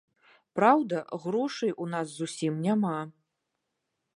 Праўда, грошай у нас зусім няма.